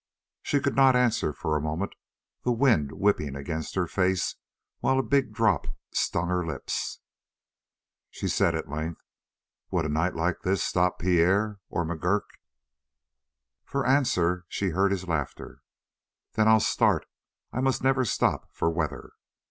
She could not answer for a moment, the wind whipping against her face, while a big drop stung her lips. She said at length: "Would a night like this stop Pierre or McGurk?" For answer she heard his laughter. "Then I'll start. I must never stop for weather."